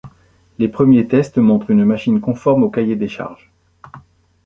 Les premiers tests montrent une machine conforme au cahier des charges.